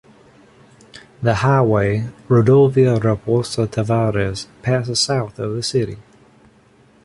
The highway Rodovia Raposo Tavares passes south of the city.